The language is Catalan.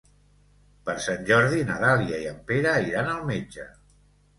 Per Sant Jordi na Dàlia i en Pere iran al metge.